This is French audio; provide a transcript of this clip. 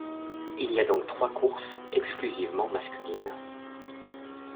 Il y a donc trois courses exclusivement masculines.